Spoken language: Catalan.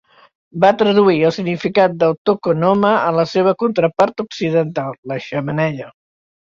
Va traduir el significat del "tokonoma" a la seva contrapart occidental: la xemeneia.